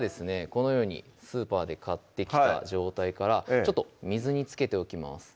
このようにスーパーで買ってきた状態からちょっと水につけておきます